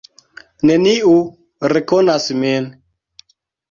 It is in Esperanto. Neniu rekonas min.